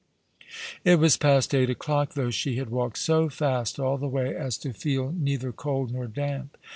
It was past eight o'clock, though she had walked so fast all the way as to feel neither cold nor damp.